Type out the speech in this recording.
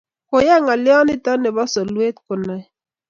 Koyei ngolyonito nebo solwet konae